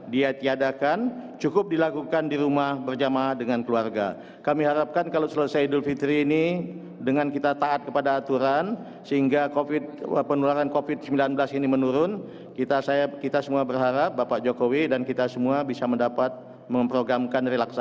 di hati ada kemampuan